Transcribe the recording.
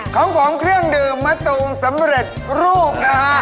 ของผมเครื่องดื่มมะตูมสำเร็จรูปนะฮะ